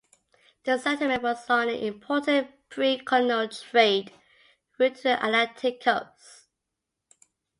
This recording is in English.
The settlement was on an important pre-colonial trade route to the Atlantic coast.